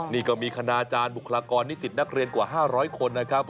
นี่ก็มีคณาจารย์บุคลากรนิสิตนักเรียนกว่า๕๐๐คนนะครับ